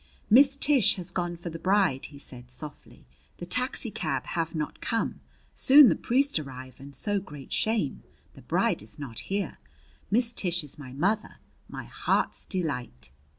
"Miss Tish has gone for the bride," he said softly. "The taxicab hav' not come. Soon the priest arrive, and so great shame the bride is not here! Miss Tish is my mother, my heart's delight!"